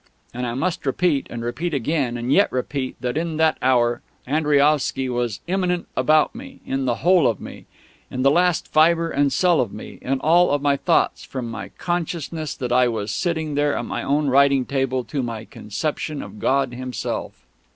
And I must repeat, and repeat again, and yet repeat, that in that hour Andriaovsky was immanent about me, in the whole of me, in the last fibre and cell of me, in all my thoughts, from my consciousness that I was sitting there at my own writing table to my conception of God Himself.